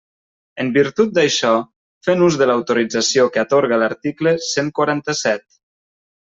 En virtut d'això, fent ús de l'autorització que atorga l'article cent quaranta-set.